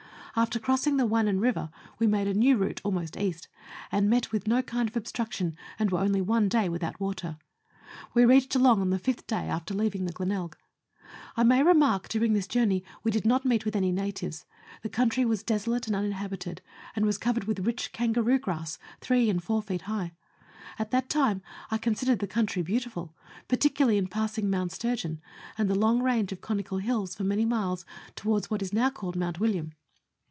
After crossing the Wannon River, we made a new route, almost east ; and we met with no kind of obstruc tion, and were only one day without water. We reached Geelong on the fifth day after leaving the Glenelg. I may remark during this journey we did not meet with any natives ; the country was desolate and uninhabited, and was covered with rich kangaroo grass three and four feet high. At that time I considered the country beautiful, particularly in passing Mount Sturgeon and the long range of conical hills for many miles towards what is now called Mount William.